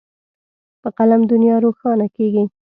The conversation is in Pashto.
په قلم دنیا روښانه کېږي.